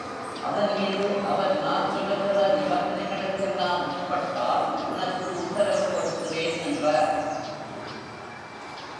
அதன்மீது அவர் நான் சொல்லுகிற நிபந்தனைகளுக்கெல்லாம் உட்பட்டால் உனக்கு உத்தரவு கொடுக்கிறேன் என்றார்.